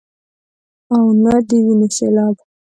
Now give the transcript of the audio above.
او نۀ د وينو سيلاب ،